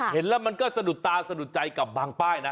เห็นแล้วมันก็สนุทรตาสนุทรใจกับบางป้ายนะ